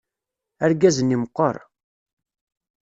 Argaz-nni meqqeṛ.